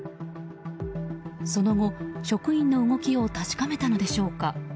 その後、職員の動きを確かめたのでしょうか。